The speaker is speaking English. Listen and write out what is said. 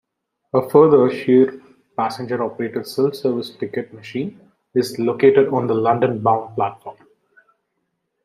A further Shere passenger-operated self-service ticket machine is located on the London-bound platform.